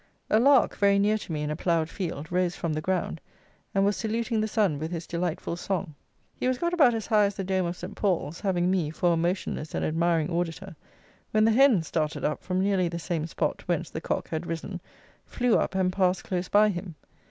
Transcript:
A lark, very near to me in a ploughed field, rose from the ground, and was saluting the sun with his delightful song. He was got about as high as the dome of St. Paul's, having me for a motionless and admiring auditor, when the hen started up from nearly the same spot whence the cock had risen, flew up and passed close by him.